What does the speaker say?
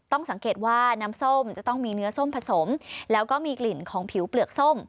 ต้องสังเกตว่าน้ำส้มจะต้องมีเนื้อส้มผสมแล้วก็มีกลิ่นของผิวเปลือกส้ม